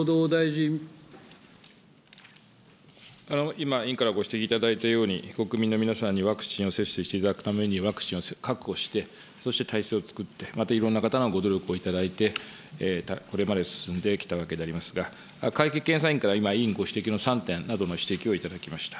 今、委員からご指摘いただいたように、国民の皆さんにワクチンを接種していただくためにワクチンを確保してそして体制をつくって、またいろんな方のご努力を頂いて、これまで進んできたわけでありますが、会計検査院から今、委員ご指摘の３点などの指摘を頂きました。